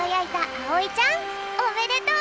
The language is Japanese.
あおいちゃんおめでとう！